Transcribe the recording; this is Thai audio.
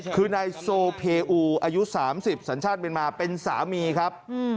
คือนายโซเพอูอายุ๓๐สัญชาติเมียนมาเป็นสามีครับ